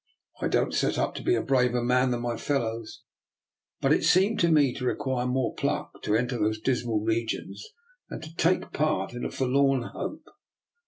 I don't set up to be a braver man than my fellows, but it seemed to me to re quire more pluck to enter those dismal re gions than to take part in a forlorn hope.